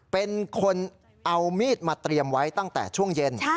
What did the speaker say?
เป็นคนเอามีดมาเตรียมไว้ตั้งแต่ช่วงเย็น